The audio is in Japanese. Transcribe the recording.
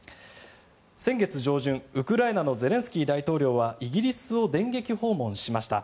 先月上旬、ウクライナのゼレンスキー大統領はイギリスを電撃訪問しました。